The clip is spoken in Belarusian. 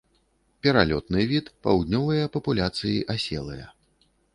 Пералётны від, паўднёвыя папуляцыі аселыя.